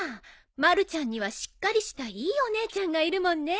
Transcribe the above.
まるちゃんにはしっかりしたいいお姉ちゃんがいるもんね。